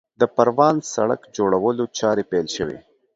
د پروان سړک جوړولو چارې پیل شوې